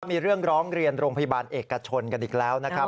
มีเรื่องร้องเรียนโรงพยาบาลเอกชนกันอีกแล้วนะครับ